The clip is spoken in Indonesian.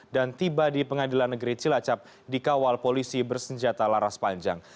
dan tiba di pengadilan negeri cilacap dikawal polisi bersenjata laras panjang